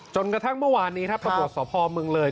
จนกระทั่งเมื่อวานนี้ปรากฏสพมึงเลย